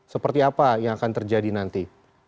seperti apa yang akan terjadi nanti